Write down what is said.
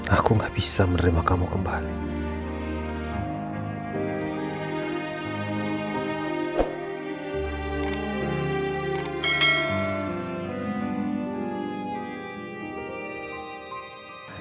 aku gak bisa menerima kamu kembali